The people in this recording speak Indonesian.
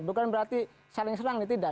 bukan berarti saling serang nih tidak